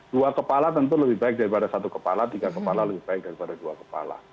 dua kepala tentu lebih baik daripada satu kepala tiga kepala lebih baik daripada dua kepala